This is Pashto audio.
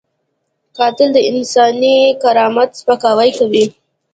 قاتل د انساني کرامت سپکاوی کوي